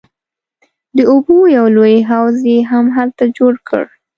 د اوبو یو لوی حوض یې هم هلته جوړ کړ.